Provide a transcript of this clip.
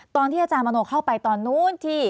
ตอนที่อาจารย์มโนเข้าไปตอนนู้นที่